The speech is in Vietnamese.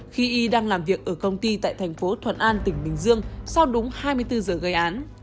khi y đang làm việc ở công ty tại thành phố thuận an tỉnh bình dương sau đúng hai mươi bốn giờ gây án